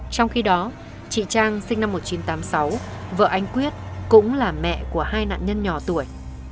trong khi đó chị trang sinh năm một nghìn chín trăm tám mươi sáu vợ anh quyết cũng là mẹ của hai nạn nhân nhỏ tuổi